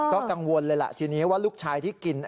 ก็กังวลเลยล่ะทีนี้ว่าลูกชายที่กิน